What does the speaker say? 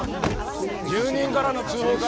住人からの通報か。